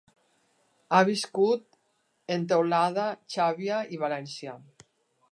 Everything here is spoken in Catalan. Ha viscut en Teulada, Xàbia i València.